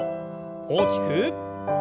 大きく。